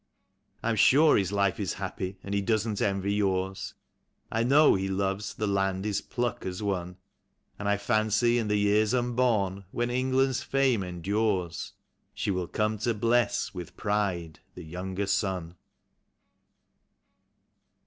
I'm sure his life is happy, and he doesn't envy yours ; I know he loves the land his pluck has won; And I fancy in the years unborn, while England's fame endures. She will come to bless with pride — The Younger Son.